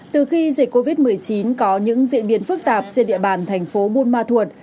từ khi dịch covid một mươi chín có những diễn biến phức tạp trên địa bàn thành phố buôn ma thuột